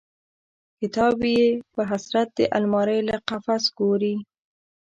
کتاب یې په حسرت د المارۍ له قفس ګوري